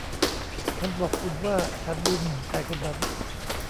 ฉันบอกคุณว่าฉันดูหมิ่นชายคนนั้น